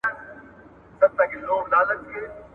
په شونډو کې مې ولگېدی زوز په سجده کې